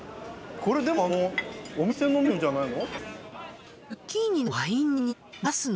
これでもあのお店のメニューじゃないの？